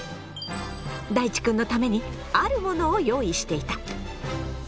だいちくんのためにあるものを用意していた。